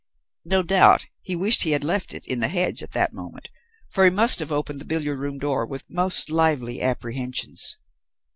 No doubt he wished he had left it in the hedge at that moment, for he must have opened the billiard room door with most lively apprehensions.